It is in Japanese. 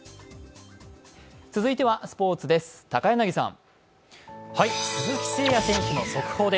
続いてはスポーツです、高柳さん。